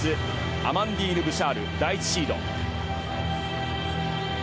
アマンディーヌ・ブシャール第１シード。